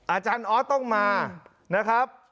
อาจารย์ออสต้องมานะครับ